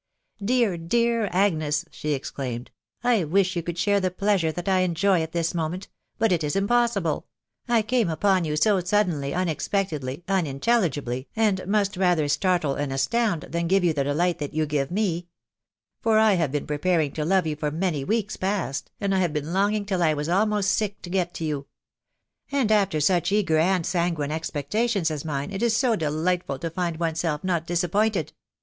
" Dear, dear Agnes I" she exclaimed, " I wish you could share the pleasure that I enjoy at thia iaat&£C& — \k& Sfc. Nst impossible. .... I come upon you stu&enV^, vx«sgftRSfci% aoJatelligibljrj and must rather startle *n& *sto\«A ^ff 478 TBS WIDOW BABKABT. yon the delight that you give me. For I have been pie paring to love you for many weeks past, and have been long ing till I was almost sick to get to you. And after suck eager and sanguine expectations as mine, it is so delightful to find oneself not disappointed!''